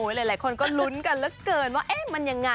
หลายคนก็ลุ้นกันเหลือเกินว่ามันยังไง